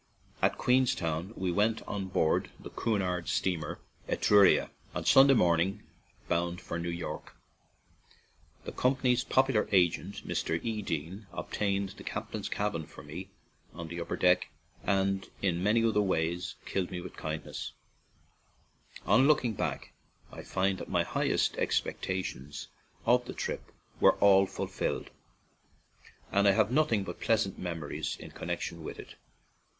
At Queenstown we went on board the Cunard steamer Etruria, on Sunday morn ing, bound for New York. The com pany's popular agent, Mr. E. Dean, obtain 136 CORK AND QUEENSTOWN ed the captain's cabin for me on the upper deck, and in many other ways "killed me with kindness/' On looking back I find that my highest expectations of the trip were all fulfilled, and I have nothing but pleasant memories in connection with it.